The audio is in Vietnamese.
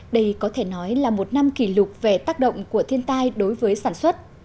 đây có thể nói là một năm kỷ lục về tác động của thiên tai đối với sản xuất